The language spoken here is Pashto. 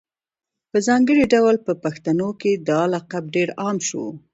په ځانګړي ډول په پښتنو کي دا لقب ډېر عام شو